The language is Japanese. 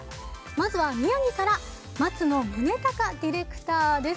まずは宮城から松野宗孝ディレクターです。